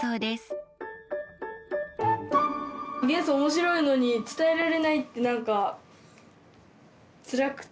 元素面白いのに伝えられないってなんかつらくてハハハ。